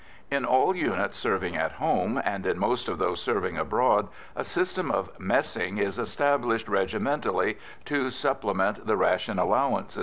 In all units serving at home, and in most of those serving abroad, a system of messing is established regimentally to supplement the ration allowance.